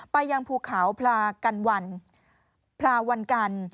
ไปยังภูเขาพลาวันกัน